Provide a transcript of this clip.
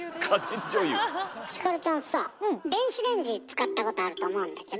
ひかるちゃんさあ電子レンジ使ったことあると思うんだけど。